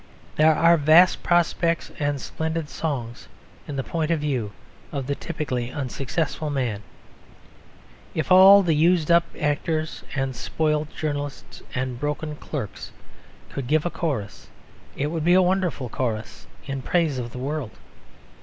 There are vast prospects and splendid songs in the point of view of the typically unsuccessful man; if all the used up actors and spoilt journalists and broken clerks could give a chorus, it would be a wonderful chorus in praise of the world.